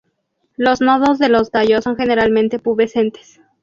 Los nodos de los tallos son generalmente pubescentes.